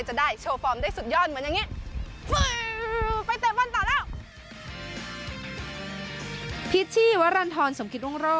จะได้โชว์ฟอร์มได้สุดยอดเหมือนอย่างนี้